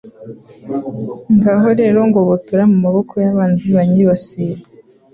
ngaho rero ngobotora mu maboko y’abanzi banyibasiye